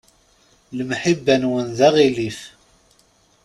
Lemḥibba-nwen d aɣilif.